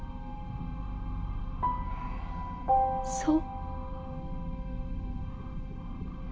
そう？